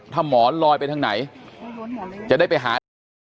ถ้าหมอนลอยไปทางไหนจะได้ไปหาเอง